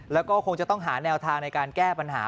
แล้วก็คงจะต้องหาแนวทางในการแก้ปัญหา